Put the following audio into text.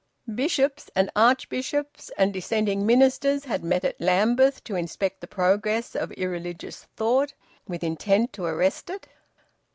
Bishops, archbishops, and dissenting ministers had met at Lambeth to inspect the progress of irreligious thought, with intent to arrest it.